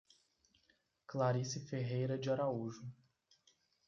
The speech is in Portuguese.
Clarice Ferreira de Araújo